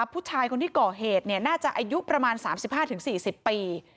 ผู้ชายคนที่ก่อเหตุน่าจะอายุประมาณ๓๕๔๐ปี